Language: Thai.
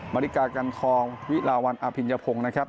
มาริกากันคองวิลาวันอพิญญาโพงนะครับ